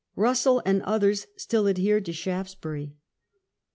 Russell and others still adhered to Shaftesbury.